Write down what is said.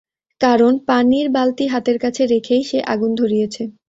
কারণ পানির বালতি হাতের কাছে রেখেই সে আগুন ধরিয়েছে।